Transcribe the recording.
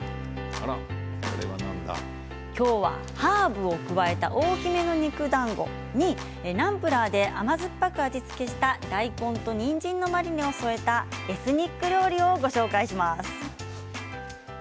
今日はハーブを加えた大きめの肉だんごにナムプラーで甘酸っぱく味付けした大根とにんじんのマリネを添えたエスニック料理をご紹介します。